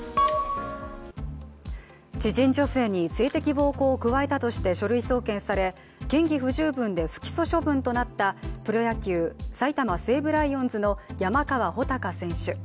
知人女性に性的暴行を加えたとして書類送検され、嫌疑不十分で不起訴処分となったプロ野球・埼玉西武ライオンズの山川穂高選手。